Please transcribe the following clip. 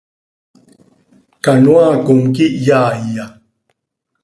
Canoaa com, ¿quíih yaaiya?